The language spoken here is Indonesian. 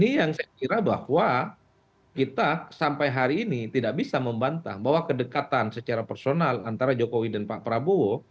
ini yang saya kira bahwa kita sampai hari ini tidak bisa membantah bahwa kedekatan secara personal antara jokowi dan pak prabowo